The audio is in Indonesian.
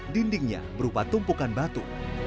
dindingnya berupa tumpukan batu